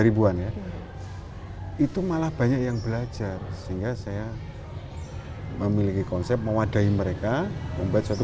ribuan ya itu malah banyak yang belajar sehingga saya memiliki konsep mewadahi mereka membuat suatu